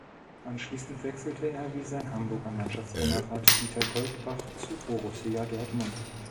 Anschließend wechselte er wie sein Hamburger Mannschaftskamerad Dieter Goldbach zu Borussia Dortmund.